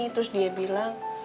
terus dia bilang